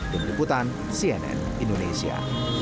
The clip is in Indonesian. dengan luputan cnn indonesia